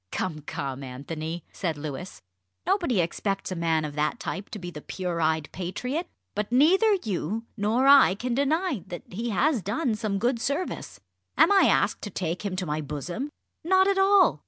"Come, come, Anthony!" said Louis, "nobody expects a man of that type to be the pure eyed patriot. But neither you nor I can deny that he has done some good service. Am I asked to take him to my bosom? Not at all!